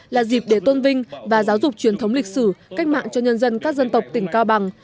là dịp để tôn vinh và giáo dục truyền thống lịch sử cách mạng cho nhân dân các dân tộc tỉnh cao bằng